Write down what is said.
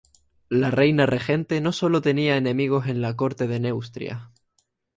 La reina regente no solo tenía enemigos en la corte de Neustria.